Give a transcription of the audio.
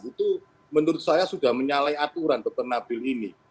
itu menurut saya sudah menyalahi aturan dr nabil ini